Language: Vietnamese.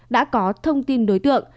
đã có thông tin đối tượng